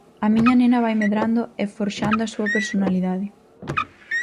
A miña nena vai medrando e forxando a súa personalidade.